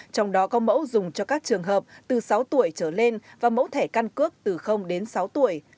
trong đó có mẫu dùng cho các trường hợp từ sáu tuổi trở lên và mẫu thẻ căn cước từ đến sáu tuổi